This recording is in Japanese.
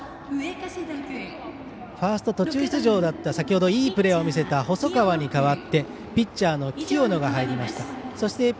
ファースト、途中出場だった先ほどいいプレーを見せた細川に代わってピッチャーの清野が入りました。